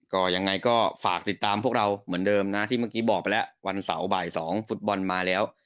ก็ยังไงก็ฝากติดตามพวกเราเหมือนเดิมนะที่เมื่อกี้บอกไปแล้ววันเสาร์บ่าย๒ฟุตบอลมาแล้ว